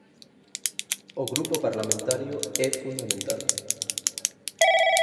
O grupo parlamentario é fundamental.